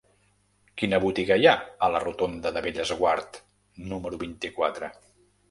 Quina botiga hi ha a la rotonda de Bellesguard número vint-i-quatre?